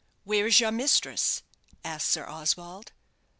"Where is your mistress?" asked Sir Oswald.